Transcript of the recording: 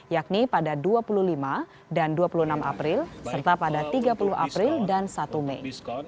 yakni pada dua puluh lima dan dua puluh enam april serta pada tiga puluh april dan satu mei